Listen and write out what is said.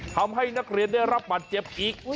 ทำให้นักเรียนได้รับบาดเจ็บอีก